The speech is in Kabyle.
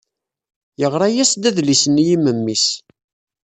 Yeɣra-as-d adlis-nni i memmi-s.